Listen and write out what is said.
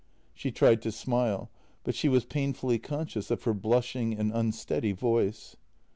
She tried to smile, but she was painfully conscious of her blushing and unsteady voice.